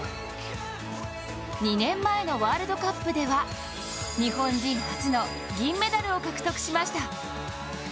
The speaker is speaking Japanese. ２年前のワールドカップでは日本人初の銀メダルを獲得しました。